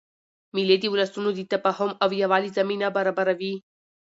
مېلې اد ولسونو د تفاهم او یووالي زمینه برابروي.